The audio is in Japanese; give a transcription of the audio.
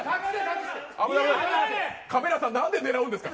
カメラさん何で狙うんですか。